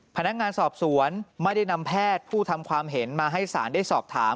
พนักงานสอบสวนไม่ได้นำแพทย์ผู้ทำความเห็นมาให้ศาลได้สอบถาม